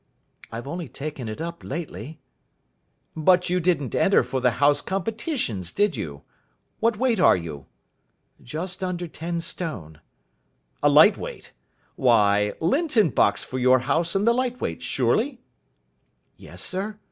"I've only taken it up lately." "But you didn't enter for the House Competitions, did you? What weight are you?" "Just under ten stone." "A light weight. Why, Linton boxed for your house in the Light Weights surely?" "Yes sir.